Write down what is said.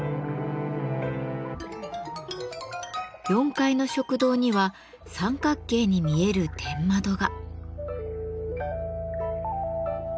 ４階の食堂には三角形に見える天窓が。